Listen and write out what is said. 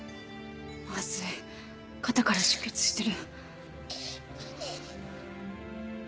まずい肩から出血してる。